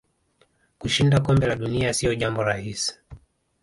Kushinda kombe la dunia sio jambo rahisi